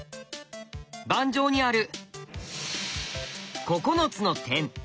盤上にある９つの点。